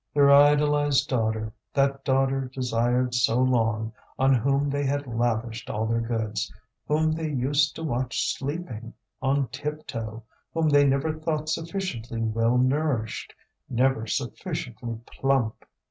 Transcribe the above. Their idolized daughter, that daughter desired so long, on whom they had lavished all their goods, whom they used to watch sleeping, on tiptoe, whom they never thought sufficiently well nourished, never sufficiently plump!